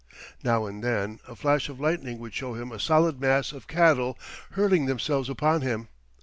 Now and then a flash of lightning would show him a solid mass of cattle hurling themselves upon him.